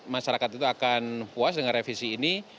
masyarakat itu akan puas dengan revisi ini